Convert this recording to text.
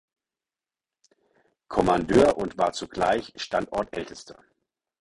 Kommandeur und war zugleich Standortältester.